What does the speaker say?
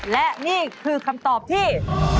และนี่คือคำตอบที่